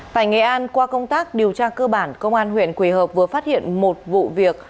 tại nghệ an qua công tác điều tra cơ bản công an huyện quỳ hợp vừa phát hiện một vụ việc